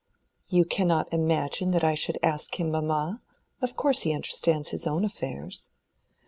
"You cannot imagine that I should ask him, mamma. Of course he understands his own affairs."